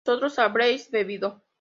vosotros habréis bebido